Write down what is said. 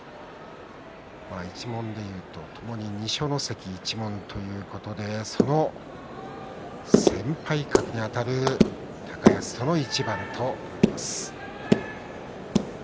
一門でいうと、ともに二所ノ関一門ということでその先輩格にあたる高安との一番となります。